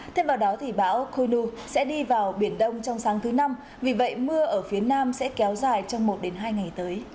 thêm vào đó thì bão coi nu sẽ đi vào biển đông trong sáng thứ năm vì vậy mưa ở phía nam sẽ kéo dài trong một hai ngày tới